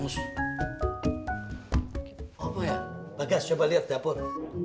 coba lihat dapur